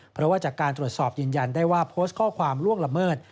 เพราะว่าจากการตรวจสอบยืนยันได้ว่าโพสต์ข้อความล่วงละเมิด